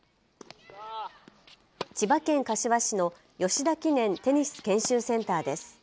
千葉県柏市の吉田記念テニス研修センターです。